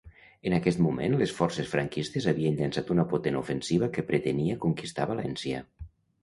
En aquest moment les forces franquistes havien llançat una potent ofensiva que pretenia conquistar València.